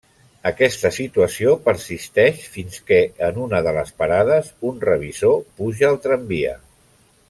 Aquesta situació persisteix fins que, en una de les parades, un revisor puja al tramvia.